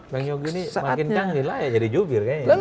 bang yogi ini makin canggih lah ya jadi jubir kayaknya